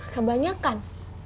gak banyak kan